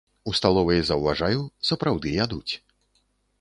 У сталовай заўважаю, сапраўды ядуць.